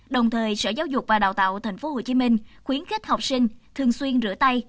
đồng thời sở giáo dục và đào tạo tp hcm khuyến khích học sinh thường xuyên rửa tay